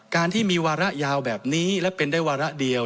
การที่มีวาระยาวแบบนี้และเป็นได้วาระเดียว